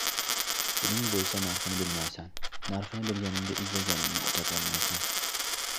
• Puling bo‘lsa, narhini bilmaysan, narhini bilganingda izlaganingni topolmaysan.